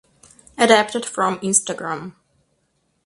Adapted from Instagram.